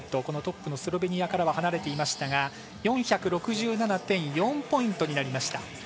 このトップのスロベニアからは離れていましたが４６７．４ポイントになりました。